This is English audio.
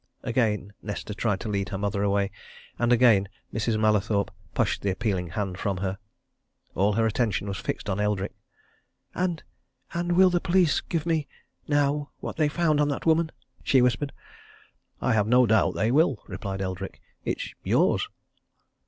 Again Nesta tried to lead her mother away, and again Mrs. Mallathorpe pushed the appealing hand from her. All her attention was fixed on Eldrick. "And and will the police give me now what they found on that woman?" she whispered. "I have no doubt they will," replied Eldrick. "It's yours."